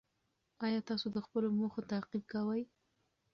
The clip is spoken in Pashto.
ایا تاسو د خپلو موخو تعقیب کوئ؟